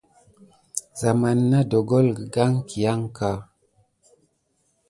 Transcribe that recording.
Zamane nà ɗongole gəlgane kiyan kā.